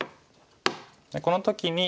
この時に。